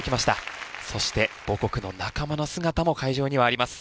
そして母国の仲間の姿も会場にはあります。